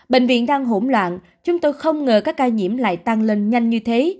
bệnh viện đang hỗn loạn chúng tôi không ngờ các ca nhiễm lại tăng lên nhanh như thế